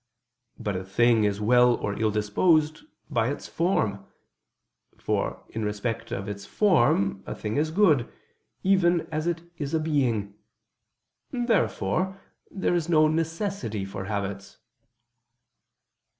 But a thing is well or ill disposed by its form: for in respect of its form a thing is good, even as it is a being. Therefore there is no necessity for habits.